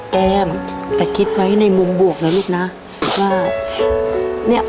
แก้มแต่คิดไหมในมุมบวกนะลูกนะ